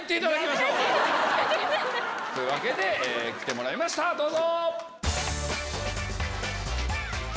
そういうわけで来てもらいましたどうぞ！